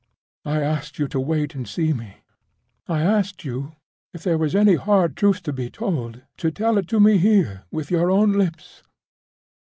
I asked you to wait and see me; I asked you, if there was any hard truth to be told, to tell it me here with your own lips.